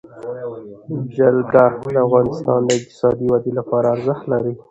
جلګه د افغانستان د اقتصادي ودې لپاره ارزښت لري.